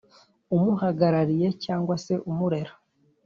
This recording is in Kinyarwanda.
umuhagarariye cyangwa se umurera